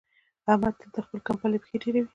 احمد تل تر خپلې کمبلې پښې تېروي.